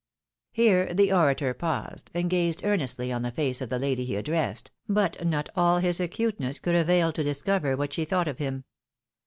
" Here the orator paused, and gazed earnestly on the &ce of the lady he addressed, but not all his acuteuess could avail to discover what she thought of him.